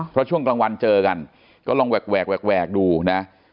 อ๋อเพราะช่วงกลางวันเจอกันก็ลองแหวกแหวกแหวกแหวกดูนะฮะ